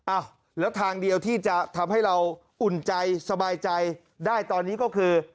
อ้าวแล้วทางเดียวที่จะทำให้เราอุ่นใจสบายใจได้ตอนนี้ก็คือ